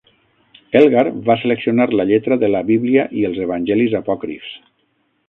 Elgar va seleccionar la lletra de la Bíblia i els Evangelis Apòcrifs.